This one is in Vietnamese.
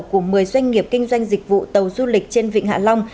của một mươi doanh nghiệp kinh doanh dịch vụ tàu du lịch trên vịnh hạ long